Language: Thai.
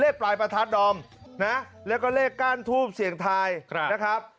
ปลายประทัดดอมนะแล้วก็เลขก้านทูบเสี่ยงทายนะครับ